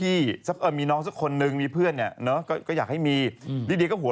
เออจมูกนั่นปากเห็นไหมล่ะ